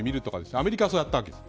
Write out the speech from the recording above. アメリカはそうやったわけです。